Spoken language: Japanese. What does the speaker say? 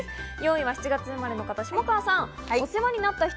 ４位は７月生まれの方、下川さん。